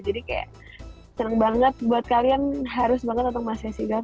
jadi kayak seneng banget buat kalian harus banget nonton my sissy girl